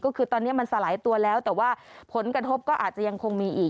ก็คือตอนนี้มันสลายตัวแล้วแต่ว่าผลกระทบก็อาจจะยังคงมีอีก